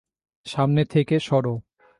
সামনে থেকে সর!